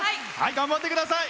頑張ってください。